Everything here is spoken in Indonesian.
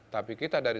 tapi kita dari